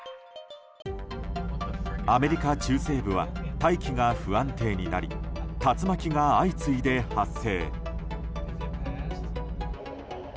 アメリカ中西部は大気が不安定になり竜巻が相次いで発生。